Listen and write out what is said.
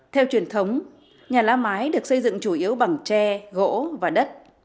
theo truyền thống nhà lá mái được xây dựng chủ yếu bằng tre gỗ và đất